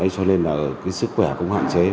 cho nên sức khỏe cũng hạn chế